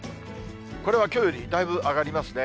これはきょうよりだいぶ上がりますね。